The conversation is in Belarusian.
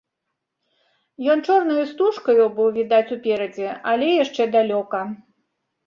Ён чорнаю стужкаю быў відаць уперадзе, але яшчэ далёка.